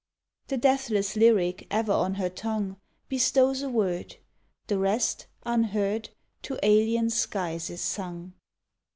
The deathless lyric ever on her tongue Bestows a word; The rest, unheard, To alien skies is sung.